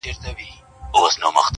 چې تا په ګلابي لاسونو ويشتی وي اشنا